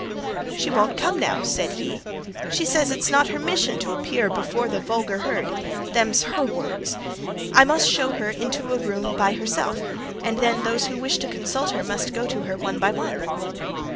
"She won't come now," said he. "She says it's not her mission to appear before the 'vulgar herd' (them's her words). I must show her into a room by herself, and then those who wish to consult her must go to her one by one."